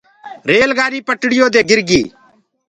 ريل گآڏي پٽڙيو دي گِر گيٚ۔